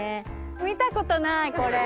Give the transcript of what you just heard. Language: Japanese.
見たことないこれ。